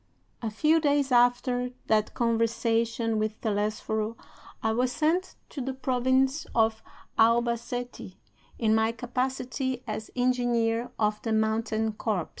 VI. "A few days after that conversation with Telesforo I was sent to the province of Albacete in my capacity as engineer of the mountain corps.